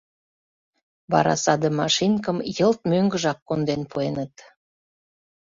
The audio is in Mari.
Вара саде машинкым йылт мӧҥгыжак конден пуэныт.